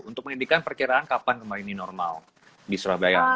untuk pendidikan perkiraan kapan kemarin ini normal di surabaya